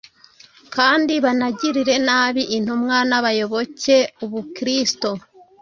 kandi banagirire nabi intumwa n’abayobokaga Ubukristo.